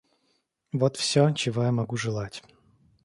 Вот всё, чего я могу желать.